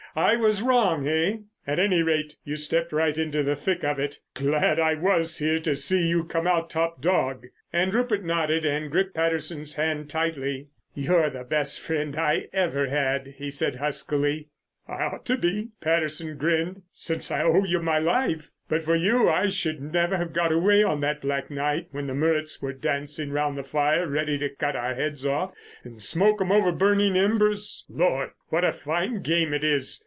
I was wrong, eh? At any rate you stepped right into the thick of it. Glad I was here to see you come out top dog." And Rupert nodded and gripped Patterson's hand tightly. "You're the best friend I ever had," he said huskily. "I ought to be," Patterson grinned, "since I owe you my life. But for you I should never have got away on that black night when the Muruts were dancing round the fire ready to cut our heads off and smoke 'em over the burning embers. Lord, what a fine game it is!